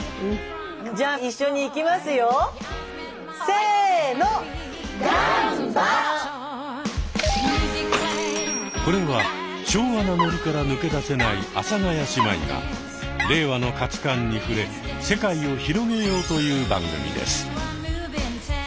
せのこれは昭和なノリから抜け出せない阿佐ヶ谷姉妹が令和の価値観に触れ世界を広げようという番組です。